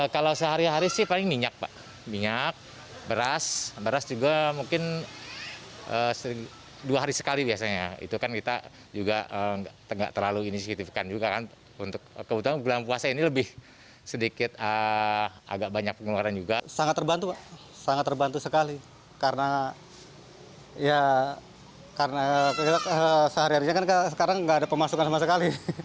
karena sehari harinya kan sekarang nggak ada pemasukan sama sekali